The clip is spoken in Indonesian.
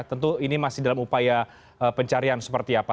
tentu ini masih dalam upaya pencarian seperti apa